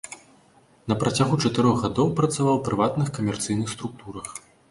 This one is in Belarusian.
На працягу чатырох гадоў працаваў у прыватных камерцыйных структурах.